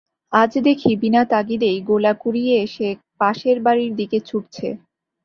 আজ দেখি, বিনা তাগিদেই গোলা কুড়িয়ে সে পাশের বাড়ির দিকে ছুটছে।